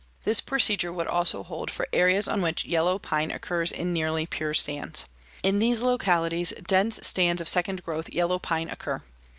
This procedure would also hold for areas on which yellow pine occurs in nearly pure stands. In these localities dense stands of second growth yellow pine occur.